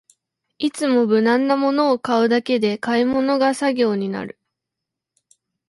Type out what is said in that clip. いつも無難なものを買うだけで買い物が作業になる